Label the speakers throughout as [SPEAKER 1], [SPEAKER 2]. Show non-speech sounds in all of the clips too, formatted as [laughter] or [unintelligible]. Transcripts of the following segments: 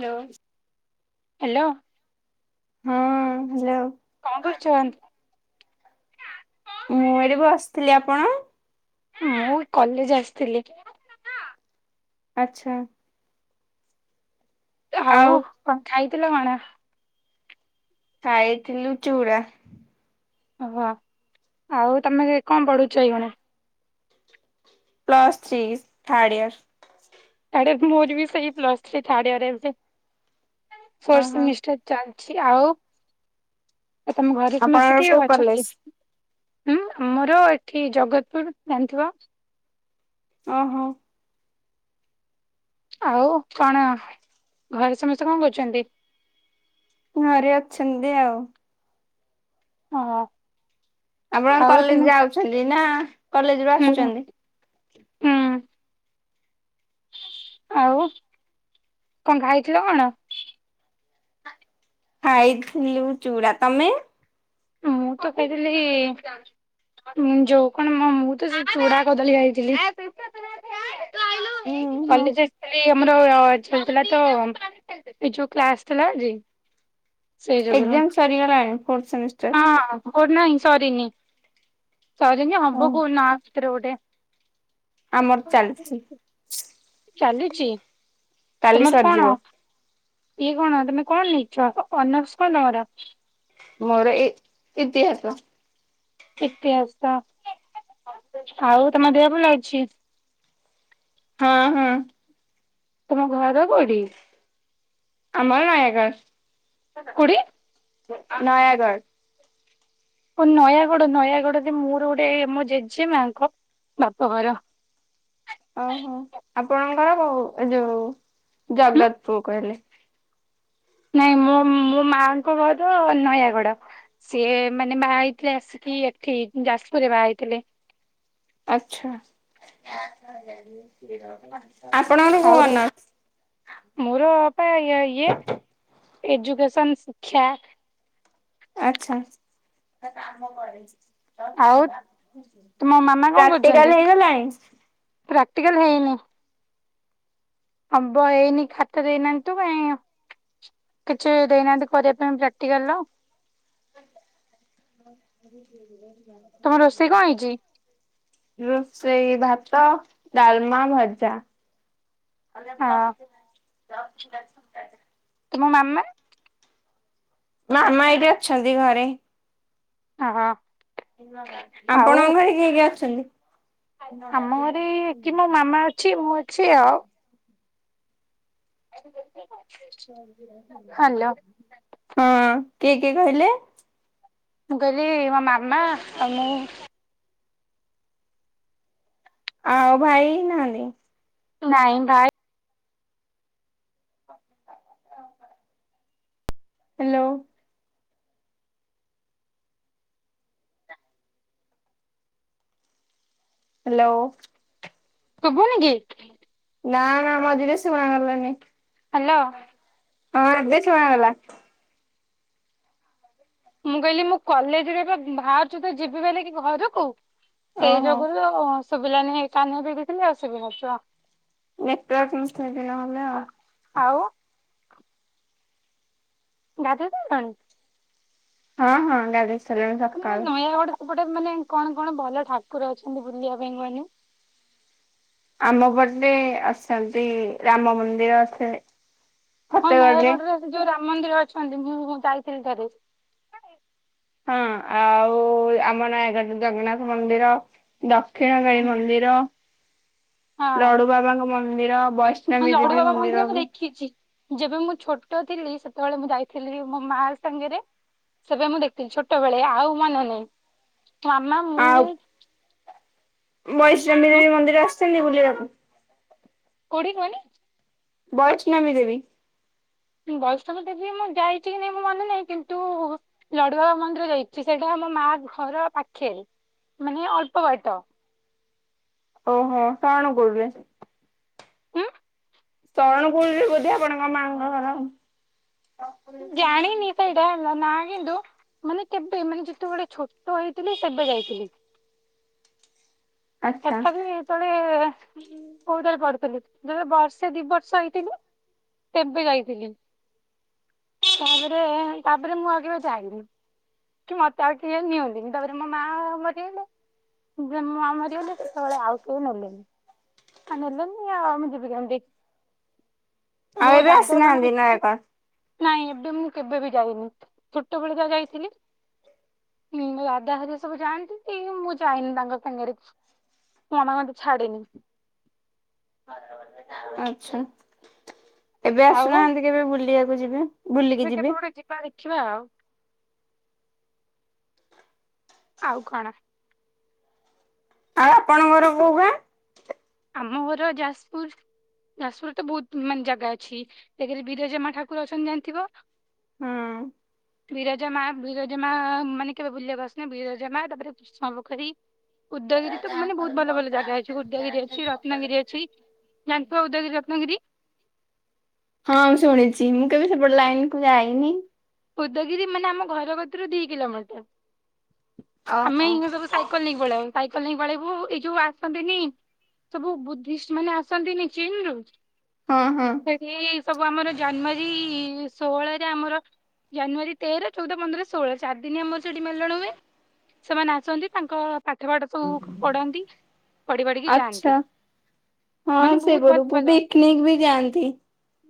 [SPEAKER 1] ଲୋ
[SPEAKER 2] hello.
[SPEAKER 1] ହଁ hello.
[SPEAKER 2] କଣ କରୁଛନ୍ତ?
[SPEAKER 1] ମୁଁ ଏଇଠି ବସିଥିଲି। ଆପଣ?
[SPEAKER 2] ମୁଁ କଲେଜ୍ ଆସିଥିଲି।
[SPEAKER 1] ଆଚ୍ଛା।
[SPEAKER 2] ଏ
[SPEAKER 1] ଆଉ
[SPEAKER 2] ହଉ କଣ ଖାଇଥିଲ କଣ?
[SPEAKER 1] ଖାଇଥିଲୁ ଚୁରା।
[SPEAKER 2] ଓହୋ! ଆଉ ତୋମେ ଯେ କଣ ପଢୁଛ ଏଇକ୍ଷଣି?
[SPEAKER 1] Plus three third year.
[SPEAKER 2] ଆରେ ମୋର ବି ସେଇ ପ୍ଲସ୍ ଥ୍ରୀ ଥାର୍ଡ଼ ଇୟର୍ ରେ
[SPEAKER 1] ଓହୋ।
[SPEAKER 2] [unintelligible] ଛି, ଆଉ ଏ ତୋମ ଘରେ ସମସ୍ତେ
[SPEAKER 1] ଆପଣଙ୍କର
[SPEAKER 2] କିଏ
[SPEAKER 1] କୋଉ କଲେଜ?
[SPEAKER 2] ଅଛନ୍ତି? ହୁଁ, ଆମର ଏଠି ଜଗତପୁର ଜାଣିଥିବ?
[SPEAKER 1] ଓ ହୋ!
[SPEAKER 2] ଆଉ କଣ ଘରେ ସମସ୍ତେ କଣ କରୁଛନ୍ତି?
[SPEAKER 1] ଘରେ ଅଛନ୍ତି ଆଉ।
[SPEAKER 2] ଓ ହଁ।
[SPEAKER 1] ଆପଣ କଲେଜ୍ ଯାଉଛନ୍ତି ନା କଲେଜ୍ ରୁୁ
[SPEAKER 2] ହୁଁ
[SPEAKER 1] ଆସୁଚନ୍ତି?
[SPEAKER 2] ହୁଁ। ଆଉ କଣ ଖାଇଥିଲ କଣ?
[SPEAKER 1] ଖାଇଥିଲୁ ଚୁଡ଼ା। ତୋମେ?
[SPEAKER 2] ମୁଁ ତ ଖାଇଥିଲି ମୁଁ ଯୋଉ କଣ ମୋ ମୁଁ ତ ସେ ଚୁଡା କଦଳୀ ଖାଇଥିଲି।
[SPEAKER 1] ଉହୁଁ
[SPEAKER 2] କଲେଜ୍ ଆସିଥିଲି ଆମର ଚାଲିଥିଲା ତ ଏଇ ଯୋଉ କ୍ଲାସ୍ ଥିଲା ଯେ।
[SPEAKER 1] ଏକ୍ଜାମ ସରିଗଲାଣି ଫୋର୍ଥ ସେମିଷ୍ଟାର୍?
[SPEAKER 2] ଓ ନାଇ ସରିନି। ସରିନି ହବ
[SPEAKER 1] ଓହୋ।
[SPEAKER 2] କୋଉନ ଆ, ଭିତରେ ଗୋଟେ।
[SPEAKER 1] ଆମର ଚାଲିଛି।
[SPEAKER 2] ଚାଲୁଛି।
[SPEAKER 1] କାଲି
[SPEAKER 2] ତୋମର କଣ
[SPEAKER 1] ସରିଯିବ
[SPEAKER 2] ଇଏ କଣ? ତୋମେ କଣ ନେଇଛ? ଅର୍ନସ୍ କଣ ତୋମର?
[SPEAKER 1] ମୋର ଇ ଇତିହାସ
[SPEAKER 2] ଇତିହାସ ଆଉ ତମ ଦେହ ଭଲ ଅଛି?
[SPEAKER 1] ହଁ ହୁଁ।
[SPEAKER 2] ତମ ଘର କଉଠି?
[SPEAKER 1] ଆମର ନାୟାଗଡ଼।
[SPEAKER 2] କୋଉଠି?
[SPEAKER 1] ନୟାଗଡ଼।
[SPEAKER 2] ଓଃ ନୟାଗଡ ନୟାଗଡରେ ମୋର ଗୋଟେ ମୋ ଜେଜେ ମାଙ୍କ ବାପ ଘର।
[SPEAKER 1] ଓହୋ ଆପଣଙ୍କର କ ଏ ଯୋଉ
[SPEAKER 2] ହୁଁ
[SPEAKER 1] ଜଗତପୁର କହିଲେ।
[SPEAKER 2] ନାଇଁ ମୁଁ ମୋ ମାଆଙ୍କ ଘର ନୟାଗଡ। ସିଏ ମାନେ ବାହା ହେଇଥିଲେ ଆସିକି ଏଠି ଯାଜପୁରରେ ବାହା ହେଇଥିଲେ।
[SPEAKER 1] ଆଚ୍ଛା। ଆପଣକ କୋଉ? [unintelligible]
[SPEAKER 2] ମୋରପା ଇଏ ଇଏ ଏଜୁକେସନ ଶିକ୍ଷା।
[SPEAKER 1] ଆଚ୍ଛା।
[SPEAKER 2] ଆଉ ତୁମ ମାମା କଣ
[SPEAKER 1] ପ୍ରାକ୍ଟିକାଲ
[SPEAKER 2] କରୁଛନ୍ତି?
[SPEAKER 1] ହେଇଗଲାଣି?
[SPEAKER 2] ପ୍ରାକ୍ଟିକାଲ ହେଇନି। ହବ ଏଇନି ଖାତା ଦେଇନାହାନ୍ତି ତ କାଇଁ କିଛି ଦେଇନାହାନ୍ତି କରିବା ପାଇଁ ପ୍ରାକ୍ଟିକାଲର।
[SPEAKER 1] ହ ଠ
[SPEAKER 2] ତମ ରୋଷେଇ କଣ ହେଇଛି?
[SPEAKER 1] ହୁଁ ସେଇ ଭା ଭାତ ଡାଲମା ଭଜା। ଯ ଲଟା
[SPEAKER 2] ହଁ ତୁମ ମାମା?
[SPEAKER 1] ମାମା ଏଇଠି ଅଛନ୍ତି ଘରେ।
[SPEAKER 2] ହଁ ହଁ। ଆଉ
[SPEAKER 1] ଆପଣଙ୍କ ଘରେ କିଏ କିଏ ଅଛନ୍ତି?
[SPEAKER 2] ଆମ ଘରେ କି ମୋ ମାମା ଅଛି ମୁଁ ଅଛି ଆଉ। ଏ
[SPEAKER 1] ହଁ କିଏ କିଏ କହିଲେ?
[SPEAKER 2] ମୁଁ କହିଲି ମୋ ମାମା ଆଉ ମୁଁ।
[SPEAKER 1] ଆଉ ଭାଇ ନାହନ୍ତିି।
[SPEAKER 2] ନାଇଁ ଭାଇ।
[SPEAKER 1] ହ୍ୟାଲୋ। ହ୍ୟାଲୋ।
[SPEAKER 2] ଶୁଭୁନି କିି?
[SPEAKER 1] ନା ନା ମଝିରେ ଶୁଣା ଗଲାନି।
[SPEAKER 2] ହ୍ୟାଲୋ।
[SPEAKER 1] ହଁ ଏବେ ଶୁଣାଗଲା।
[SPEAKER 2] ମୁଁ କହିଲି ମୁଁ କଲେଜ ରେ ଏବେ ବାହାରୁଛୁ ତ ଯିବି ବୋଲିକି ଘରକୁ ସେଇ
[SPEAKER 1] ଓହୋ
[SPEAKER 2] ଯୋଗରୁ ଶୁବିଲାନି କାନରେ ଦେଇଥିଲି ଆଉ ସୁବି ନଥିବ।
[SPEAKER 1] ନେଟୱର୍କ [unintelligible]
[SPEAKER 2] ଆଉ ଗାଧଉଚନ୍ତି କଣ?
[SPEAKER 1] ହଁ ହଁ ଗାଧେଇ ସାରିଲିଣି ସକାଳୁ।
[SPEAKER 2] ଗୋଟେ ମାନେ କଣ କଣ ଭଲ ଠାକୁର ଅଛନ୍ତି ବୁଲିବା ପାଇଁ କହିଲେ?
[SPEAKER 1] ଆମ ପଟେ ଅଛନ୍ତି ରାମ ମନ୍ଦିର ଅଛ
[SPEAKER 2] ହଁ ନୟାଗଡରେ ସେ ଯୋଉ ରାମ ମନ୍ଦିର ଅଛନ୍ତି ମୁଁ ଭୁ ଯାଇଥିଲି ଥରେ।
[SPEAKER 1] ହଁ ଆଉ ଆମ ନୟାଗଡ଼ ଜଗନ୍ନାଥ ମନ୍ଦିର ଦ ଦକ୍ଷିଣକାଳୀ
[SPEAKER 2] ହୁଁ
[SPEAKER 1] ମନ୍ଦିର
[SPEAKER 2] ହଁ
[SPEAKER 1] ଲଡୁ ବାବାଙ୍କ ମନ୍ଦିର।
[SPEAKER 2] ହଁ
[SPEAKER 1] ବୈଷ୍ଣବୀ ଦେବୀ
[SPEAKER 2] ଲଡୁବାବା ମନ୍ଦିର ମୁଁ ଦେଖିଛି ଯେବେ ମୁଁ ଛୋଟ ଥିଲି। ସେତେବେଳେ ମୁଁ ଯାଇଥିଲି ମୋ ମା ସାଙ୍ଗରେ ସେବେ ମୁଁ ଦେଖିଥିଲି ଛୋଟବେଳେ ଆଉ ମାନେ ନାହିଁ ମାମା ମୁଁ
[SPEAKER 1] ମଇଶାମୀ
[SPEAKER 2] ମୋ
[SPEAKER 1] ଦେବୀ ମନ୍ଦିର ଆସିଛନ୍ତି ବୁଲିବାକୁ।
[SPEAKER 2] ବୁଡ଼େଇ ବନି
[SPEAKER 1] ବୈଷ୍ଣବୀ ଦେବୀ।
[SPEAKER 2] ବୈଷ୍ଣବ ଦେବୀ ବିି ମୁଁ ଯାଇଛି କି ନାଇଁ ମୁଁ ମନେ ନାହିଁ କିନ୍ତୁ ଲଡୁବାବା ମନ୍ଦିର ଯାଇଛି ସେଇଟା ଆମ ମା ଘର ପାଖେ ମାନେ ଅଳ୍ପ ବାଟ।
[SPEAKER 1] ଓହୋ କଣ କହୁଥିଲେ?
[SPEAKER 2] ଉଁ
[SPEAKER 1] ସରଣ କୂଳରେ ବୋଧେ ଆପଣଙ୍କ ମା ଙ୍କ ଘର ଆଉ?
[SPEAKER 2] ଜାଣିିନି ତ ଇଟାଲ ନା କିନ୍ତୁ ମାନେ କେବେ ମାନେ ଯେତେବେଳେ ଛୋଟ ହେଇଥିଲି ସେବେ ଯାଇଥିଲି।
[SPEAKER 1] ଆଚ୍ଛା।
[SPEAKER 2] ତଥାପି ହେତଳେ କୋଉଠାରେ ପଡୁଥିଲି ଯେବେ ବର୍ଷେ ଦି ବର୍ଷ ହେଇଥିଲୁ ତେବେ ଯାଇଥିଲି। ତାପରେ ତାପରେ ମୁଁ ଆଉ କେବେ ଜାଇନି। କି ମତେ ଆଉ ଟିଏ ନିଅନ୍ତିନି ତାପରେ ମୋ ମା ମରି ହେଲେ ଯେ ମୁଁ ଆମର ଲେ ସେତେବେଳେ ଆଉ କେହି ନେଲେନି ଆ ନେଲେନି ମୁଁ ଯିବି କେମିତି? ମୋ
[SPEAKER 1] ଆଉ ଏବେ
[SPEAKER 2] ଦାଦା ଜଣେ
[SPEAKER 1] ଆସିନାହାନ୍ତି ନା
[SPEAKER 2] ଅଛନ୍ତି
[SPEAKER 1] କଣ?
[SPEAKER 2] ନାଇଁ ଏବେ ମୁଁ କେବେ ବି ଯାଇନି ଛୋଟବେଳେ ଯା ଯାଇଥିଲି ହୁଁ ଦାଦା ହେରିଆ ସବୁ ଯାଆନ୍ତି ମୁଁ ଯାଇନି ତାଙ୍କ ସାଙ୍ଗରେ। କନା ମ ଛାଡେନି।
[SPEAKER 1] ଆଚ୍ଛା ଏବେ
[SPEAKER 2] ଆଉ
[SPEAKER 1] ଆସୁନାହାନ୍ତି କେବେ ବୁଲିବାକୁ ଯିବେ? ବୁଲିକି
[SPEAKER 2] ଏବେ
[SPEAKER 1] ଯିବେ।
[SPEAKER 2] କେବେ ଗୋଟେ ଯିବା ଦେଖିବା ଆଉ। ଆଉ କଣ?
[SPEAKER 1] ଆଉ ଆପଣଙ୍କର କୋଉ ଗାଁ?
[SPEAKER 2] ଆମ ଘର ଯାଜପୁର। ଯାଜପୁରରେ ତ ବହୁତ ମାନେ ଜାଗା ଅଛି ବିରଜମା ଠାକୁର ଅଛନ୍ତି ଜାଣିଥିବ? [unintelligible] ବିରଜା ମା ବିରଜାମା ମାନେ କେବେ ଭୁଲିବା ବସ ବିରଜା ମା ତାପରେ କୃଷ୍ଣ ପୋଖରୀ। ଉଦଗିରି ତ ମାନେ ବହୁତ ଭଲ ଭଲ ଜାଗା ଅଛି ଉଦଗିରିରେ ରତନଗିରି ଅଛି ଜାଣିଥିବ ଉଦଗିରି ରତନଗିରି।
[SPEAKER 1] ହଁ ମୁଁ ଶୁଣିଛି ମୁଁ କେବେ ସେପଟେ ଲାଇନ କୁ ଯାଇନି।
[SPEAKER 2] ଉଦଗିରି ମାନେ ଆମ ଘର କତୁରୁ ଦି କିଲୋମିଟର। ଆମେ
[SPEAKER 1] ଓହୋ।
[SPEAKER 2] ଏଇ ସବୁ ସାଇକେଲ ନେଇକି ପଳେଇବୁ ସାଇକେଲ ନେଇକି ପଳେଇବୁ ଏଇ ଯୋଉ ଆସନ୍ତିନି ସବୁ ବୁଦ୍ଧିଷ୍ଟ ମାନେ ଆସନ୍ତିନି ଚୀନ ରୁ।
[SPEAKER 1] ଓ ହୋ।
[SPEAKER 2] ସେଠି ସବୁ ଆମର ଜାନୁଆରୀ ଷୋହଳରେ ଆମର ଜାନୁଆରୀ ତେର, ଚଉଦ, ପନ୍ଦର, ଷୋହଳ ଚାରି ଦିନି ଆମର ସେଠି ମେଲଣ ହୁଏ। ସେମାନେ ଆସନ୍ତି ତାଙ୍କ ପାଠ ଫାଠ ସବୁ ପଢନ୍ତି ପଢି ପାଢିକି
[SPEAKER 1] ଆଚ୍ଛା
[SPEAKER 2] ଯାଆନ୍ତି। ମାନେ
[SPEAKER 1] ହଁ ସେ
[SPEAKER 2] ବହୁତ ଭଲ
[SPEAKER 1] ବଟୁପୁ ପିକନିକ ବି ଯାଆନ୍ତି।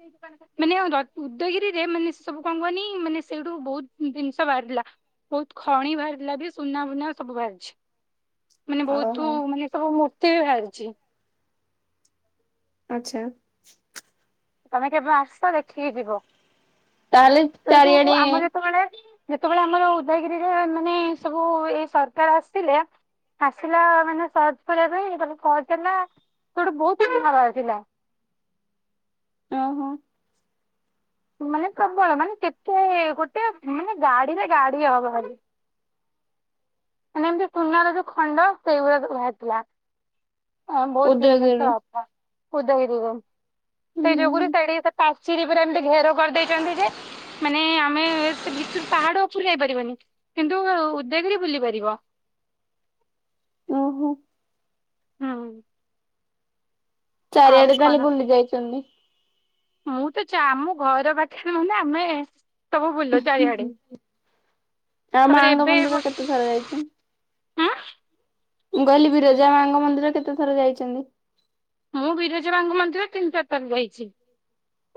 [SPEAKER 2] ଦୋକାନ ମାନେ ଉଦୟଗିରିରେ ମାନେ ସେ ସବୁ କଣ କୁହନି ମାନେ ସେଇଠୁ ବହୁତ ଜିନିଷ ବାହାରିଲା। ବହୁତ ଖଣି ବାହାରିିଲା ବି ସୁନା ବୁନା ସବୁ ବାହାରିଛି। ମାନେ ବହୁତ
[SPEAKER 1] ଓହୋ।
[SPEAKER 2] ମାନେ ସବୁ ମୂର୍ତ୍ତି ବି ବାହାରିଛି।
[SPEAKER 1] ଆଚ୍ଛା।
[SPEAKER 2] ତମେ କେବେ ଆସ ଦେଖିକି ଯିବ
[SPEAKER 1] ତାହେଲେ
[SPEAKER 2] ଯେହେତୁ
[SPEAKER 1] ଚାରିଆଡେ
[SPEAKER 2] ଆମର ଯେତେବେଳେ ଯେତେବେଳେ ଆମର ଉଦୟଗିରିରେ ମାନେ ସବୁ ଏଇ ସରକାର ଆସିଥିଲେ ଆସିଲା ମାନେ ସରଜପୁର ବି ତାେ ପହଞ୍ଚିଲା ସିଏ ଗୋଟେ ବହୁତ ହିଁ ଖରାପ ପିଲା।
[SPEAKER 1] ଓହୋ।
[SPEAKER 2] ମାନେ ପ୍ରବଳ ମାନେ କେତେ ଗୋଟେ ମାନେ ଗାଡିରେ ଗାଡିଏ ହବ ଖାଲି। ମାନେ ଏମିତି ଚୁନାର ଯୋଉ ଖଣ୍ଡ ସେଇ ଭଳିଆ ସବୁ ଭାରି ଥିଲା। ହଁ ବହୁତ ଭ
[SPEAKER 1] ଉଦୟଗିରିରୁ
[SPEAKER 2] ବାପ ଉଦା ହେଇଯିବଣି।
[SPEAKER 1] ହୁଁ
[SPEAKER 2] [unintelligible] ସିଡି ପୁରା ଏମିତି ଘେରଉ କରିଦେଇଚନ୍ତି ଯେ ମାନେ ଆମେ ସେ ଭିତରକୁ ପାହାଡ ଉପରୁ ଯାଇପାରିବାନି? କିନ୍ତୁ ଉଦୟଗିରି ବୁଲି ପାରିବ।
[SPEAKER 1] ଓହୋ।
[SPEAKER 2] ହୁଁ। ଆଉ
[SPEAKER 1] ଚାରିଆଡେ ତାହାଲେ
[SPEAKER 2] କଣ
[SPEAKER 1] ବୁଲି ଯାଇଚନ୍ତି?
[SPEAKER 2] ମୁଁ ତ ଚା ଆମ ଘର ପାଖରେ ମାନେ ଆମେ ସବୁ ବୁଲୁ ଚାରି ଆଡେ?
[SPEAKER 1] ଆଉ ମାଙ୍କ ମନ୍ଦିର କେତେ ଥର ଯାଇଚ?
[SPEAKER 2] ଉଁ
[SPEAKER 1] ମୁଁ କହିଲି ବିରଜା ମାଙ୍କ ମନ୍ଦିର କେତେ ଥର ଯାଇଚନ୍ତି?
[SPEAKER 2] ମୁଁ ବିରଜ ମାଙ୍କ ମନ୍ଦିର ତିନି ଚାରି ଥର ଯାଇଚି।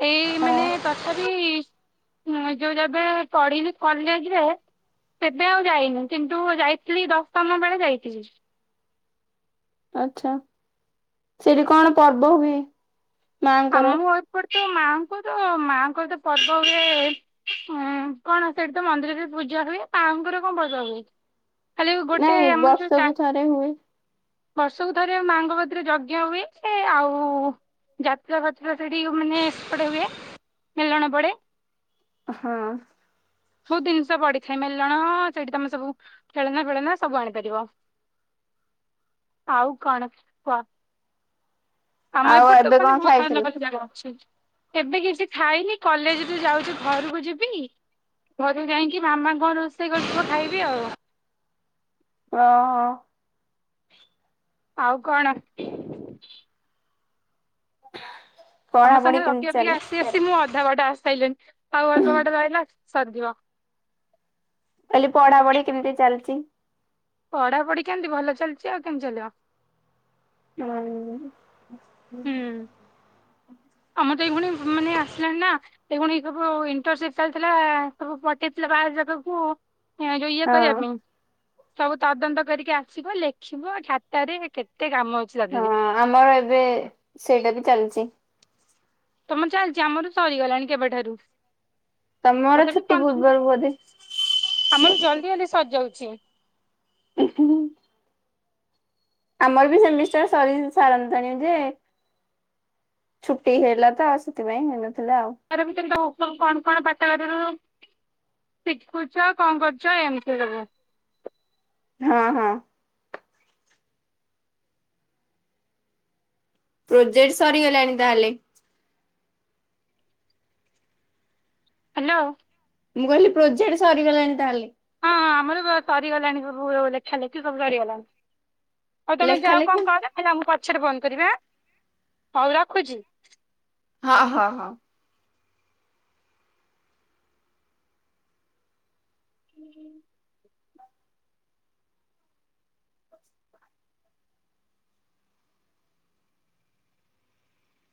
[SPEAKER 2] ଏଇ
[SPEAKER 1] ହଁ।
[SPEAKER 2] ମାନେ ତଥାବି ମୁଁ ଯୋଉ ଯେବେ ପଢିବି କଲେଜରେ। କେବେ ଆଉ ଯାଇନି। କିନ୍ତୁ ଯାଇଥିଲି ଦଶମ ବେଳେ ଯାଇଥିଲି।
[SPEAKER 1] ଆଚ୍ଛା ସେଠି କଣ ପର୍ବ ହୁଏ? ମାଙ୍କର?
[SPEAKER 2] ଆମ ଏପଟ ତ ମାଙ୍କୁ ତ ମାଆଙ୍କର ତ ପର୍ବ ହୁଏ। ଉଁ କଣ ସେଠି ତ ମନ୍ଦିରରେ ପୂ ଜା ହୁଏ। ତାଙ୍କର କଣ ଭଜା ହୁଏ। ଖାଲି ଗୋଟେ
[SPEAKER 1] ନାଇଁ
[SPEAKER 2] ଆମର ଯୋଉ ଚା
[SPEAKER 1] ବର୍ଷକୁ ଥରେ ହୁଏ।
[SPEAKER 2] ବର୍ଷକୁ ଥରେ ମାଙ୍କ କତିରେ ଯଜ୍ଞ ହୁଏ। ସେ ଆଉ ଯା ପୂଜା ପାରଥନା ସେଠି ମାନେ ସେପଟେ ହୁଏ ମେଲଣ ପଡେ।
[SPEAKER 1] ହଁ।
[SPEAKER 2] ବହୁତ ଜିନିଷ ପଡ଼ିଥାଏ। ମେଲଣ ସେଇଠି ତମେ ସବୁ ଖେଳନା ଫେଳନା ସବୁ ଆଣିପାରିବ। ଆଉ କଣ କୁହ? ଆମ
[SPEAKER 1] ଆଉ
[SPEAKER 2] ଏପଟେ ତ
[SPEAKER 1] ଏବେ
[SPEAKER 2] ମାନେ
[SPEAKER 1] କଣ
[SPEAKER 2] ବହୁତ ଭଲ
[SPEAKER 1] ଖାଇଥିଲୁ?
[SPEAKER 2] ଭଲ ଜାଗା ଅଛି। ଏବେ କିଛି ଖାଇନି କଲେଜରୁୁ ଯାଉଚି ଘରକୁ ଯିବି। ଘରକୁ ଯାଇକି ମାମା କଣ ରୋଷେଇ କରିଥିବ ଖାଇବି ଆଉ।
[SPEAKER 1] ଅ ହ।
[SPEAKER 2] ଆଉ କଣ?
[SPEAKER 1] ହ
[SPEAKER 2] ତମ ସାଙ୍ଗରେ ଗପି ଗପି ଆସି ଆସି ମୁଁ ଆ ଅଧା ବାଟ ଆସିସାଇଲିଣି ଆଉ ଅଳ୍ପ ବାଟ ରହିଲା ସରିଯିବ।
[SPEAKER 1] କହିଲି ପଢା ପଢି କେମିତି ଚାଲିଚି?
[SPEAKER 2] ପଢାପଢି କେମତି ଭଲ ଚାଲିଛି ଆଉ କେମିତି ଚାଲିବ?
[SPEAKER 1] ଆଉ
[SPEAKER 2] ଆମ ଦୁଇ ଭଉଣୀ ମାନେ ଆସିଲାଣି ନା। ସେ ଭଉଣୀ ର ସବୁ ଇଣ୍ଟରସିପ୍ ପାଇଥିଲା ସବୁ ପଠେଇଥିଲା ବାହା ରକୁ ଯୋଉ ଇଏ କରିବା ପାଇଁ।
[SPEAKER 1] ହଁ
[SPEAKER 2] ସବୁ ତଦନ୍ତ କରିକି ଆସିବ ଲେଖିବ ଖାତାରେ କେ
[SPEAKER 1] ହଁ ଆମର ଏବେ ସେଇଟା ବି ଚାଲିଚି।
[SPEAKER 2] ତମର ଚାଲିଚି ଆମର ସରିଗଲାଣି କେବେଠାରୁ।
[SPEAKER 1] ତମର
[SPEAKER 2] ତଥାପି
[SPEAKER 1] ଛୁଟି ପୂର୍ବରୁ ବୋଧେ?
[SPEAKER 2] ଜଲଦି ଜଲଦି ସରିଯାଉଚି।
[SPEAKER 1] ହୁଁ ହୁଁ। ଆମର ବି ସେମିଷ୍ଟାର୍ ସରି ସାରନ୍ତାଣି ଯେ ଛୁଟି ହେଲା ତ ଆଉ ସେଥିପାଇଁ ହେଲାନି।
[SPEAKER 2] ତାରି ଭିତରୁ କଣ କଣ ପାଠ କରୁରୁୁ। ଶିଖୁଚୁ ଆଉ କଣ କରୁଚୁ ଏମତି ସବୁ।
[SPEAKER 1] ହଁ ହଁ। ପ୍ରୋଜେକ୍ଟ ସରିଗଲାଣି ତାହେଲେ।
[SPEAKER 2] ହ୍ୟାଲୋ।
[SPEAKER 1] ମୁଁ କହିଲି ପ୍ରୋଜେକ୍ଟ ସରିଗଲାଣି ତାହେଲେ।
[SPEAKER 2] ହଁଁ ଆମର ସ ସରିଗଲାଣି ସବୁ ଲେଖା ଲେଖି ସବୁ ସରିଗଲାଣି। ହଉ ତମେ
[SPEAKER 1] ଲେଖା
[SPEAKER 2] ଯାଅ
[SPEAKER 1] ଲେଖି
[SPEAKER 2] କଣ କର ହେଲା ମୁଁ ପଛରେ ଫୋନ୍ କରିବି ଆଁ ହଉ ରଖୁଚି।
[SPEAKER 1] ହଁ ହଁ ହଁ।
[SPEAKER 2] [unintelligible]